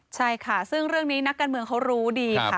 ใช่ค่ะซึ่งเรื่องนี้นักการเมืองเขารู้ดีค่ะ